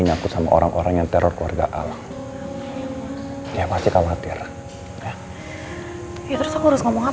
nyaku sama orang orang yang teror keluarga alam ya pasti khawatir ya terus ngomong